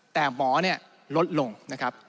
แต่หมอเนี่ยลดลงนะครับ